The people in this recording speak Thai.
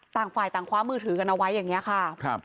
ต่างฝ่ายต่างคว้ามือถือกันเอาไว้อย่างนี้ค่ะ